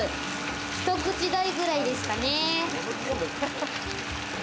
一口大くらいですかね。